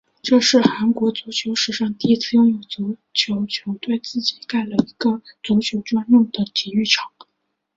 这是韩国足球史上第一次有足球球队自己盖了一个足球专用的体育场。